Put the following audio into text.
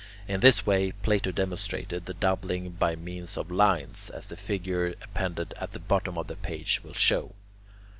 In this way Plato demonstrated the doubling by means of lines, as the figure appended at the bottom of the page will show.